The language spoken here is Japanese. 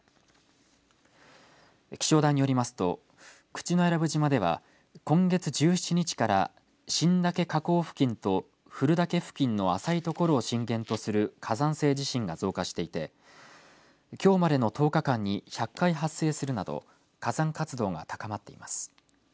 気象台によりますと口永良部島では今月１７日から新岳火口付近と古岳付近の浅い所を震源とする火山性地震が増加していてきょうまでの１０日間に１００回発生するなど火山活動が高まっています。